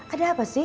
ada apa sih